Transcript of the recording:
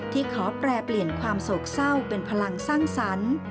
ขอแปรเปลี่ยนความโศกเศร้าเป็นพลังสร้างสรรค์